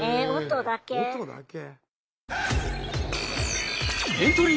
音だけ？